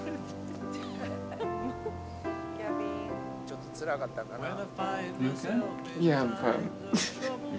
ちょっとつらかったんかな。